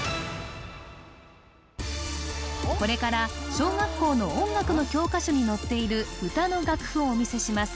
これから小学校の音楽の教科書に載っている歌の楽譜をお見せします